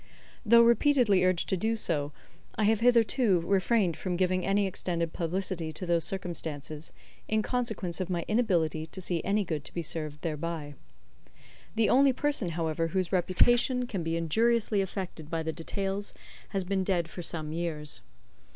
Though repeatedly urged to do so, I have hitherto refrained from giving any extended publicity to those circumstances, in consequence of my inability to see any good to be served thereby. The only person, however, whose reputation can be injuriously affected by the details has been dead for some years.